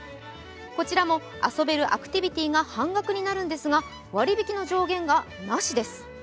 こちらも遊べるアクティビティーが半額になるんですが、割引の上限がなしです。